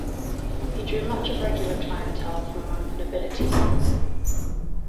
He drew much of regular clientele from among the nobility.